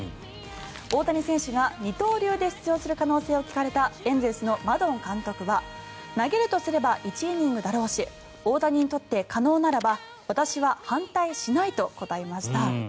大谷選手が二刀流で出場する可能性を聞かれたエンゼルスのマドン監督は投げるとすれば１イニングだろうし大谷にとって可能ならば私は反対しないと答えました。